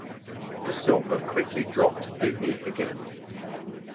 Da Silva quickly dropped Dooney again.